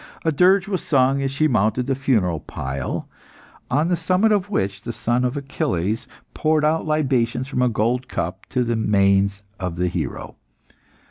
A dirge was sung as she mounted the funeral pile, on the summit of which the son of Achilles poured out libations from a gold cup to the manes of the hero.